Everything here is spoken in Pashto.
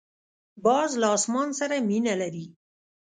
باز له اسمان سره مینه لري